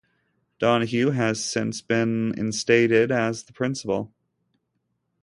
Donahue has since been instated as the principal.